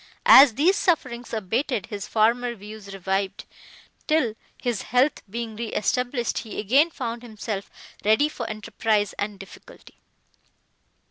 As these sufferings abated, his former views revived, till, his health being re established, he again found himself ready for enterprise and difficulty.